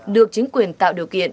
được chính quyền tạo điều kiện